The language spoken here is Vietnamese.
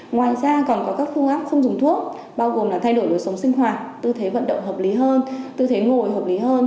ngoài ra còn có các phương án không dùng thuốc bao gồm là thay đổi lối sống sinh hoạt tư thế vận động hợp lý hơn tư thế ngồi hợp lý hơn